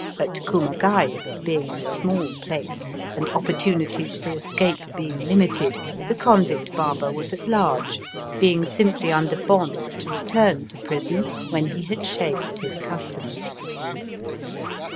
At Kumagai, being a small place, and opportu nities for escape being limited, the convict barber was at large, being simply under bond to return to prison when he had shaved his customers.